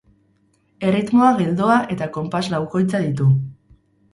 Erritmo geldoa eta konpas laukoitza ditu.